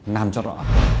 làm cho rõ